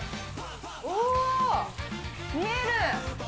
おー、見える。